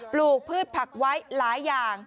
ลูกพืชผักไว้หลายอย่าง